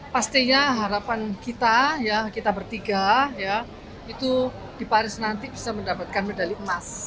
pastinya harapan kita ya kita bertiga itu di paris nanti bisa mendapatkan medali emas